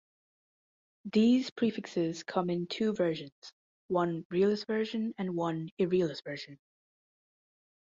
These prefixes come in two versions, one "realis" version and one "irrealis" version.